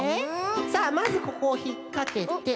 さあまずここをひっかけてよいしょ。